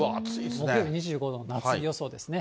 木曜日２５度の夏日予想ですね。